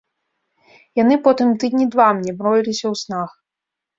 Яны потым тыдні два мне мроіліся ў снах.